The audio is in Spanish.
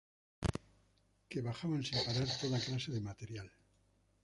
que bajaban sin parar toda clase de material